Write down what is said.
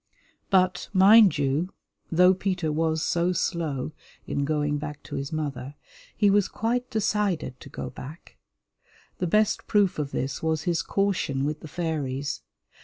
But, mind you, though Peter was so slow in going back to his mother, he was quite decided to go back. The best proof of this was his caution with the fairies.